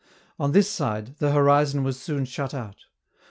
On this side, the horizon was soon shut out.